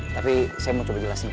tapi saya mau coba jelasin